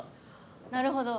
なるほど。